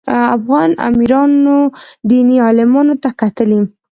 افغان امیرانو دیني عالمانو ته کتلي.